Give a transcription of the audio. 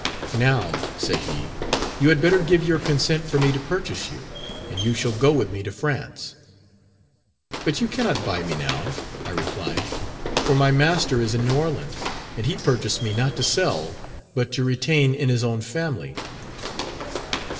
'Now,' said he, 'you had better give your consent for me to purchase you, and you shall go with me to France.' 'But you cannot buy me now,' I replied, 'for my master is in New Orleans, and he purchased me not to sell, but to retain in his own family.'